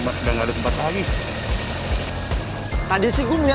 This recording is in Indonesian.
jangan kabur kabur gitu aja dong lo